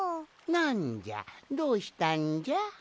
なんじゃどうしたんじゃ？